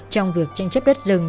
trong việc tranh chấp đất rừng